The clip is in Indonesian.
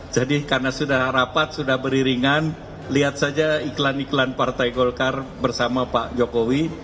jadi karena sudah rapat sudah beriringan lihat saja iklan iklan partai golkar bersama pak jokowi